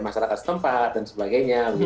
masyarakat setempat dan sebagainya